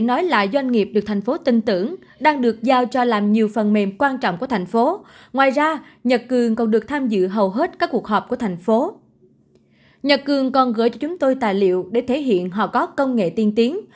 nhật cường còn gửi cho chúng tôi tài liệu để thể hiện họ có công nghệ tiên tiến